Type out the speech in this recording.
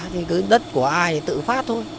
thì cái đất của ai thì tự phát thôi